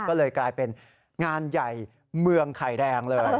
ก็เลยกลายเป็นงานใหญ่เมืองไข่แดงเลย